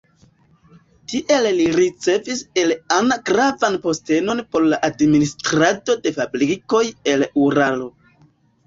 Tiel li ricevis el Anna gravan postenon por la administrado de fabrikoj en Uralo.